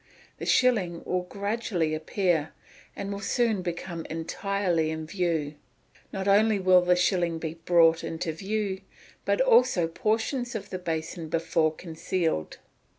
The shilling will gradually appear, and will soon come entirely in view. Not only will the shilling be brought in view, but also portions of the basin before concealed.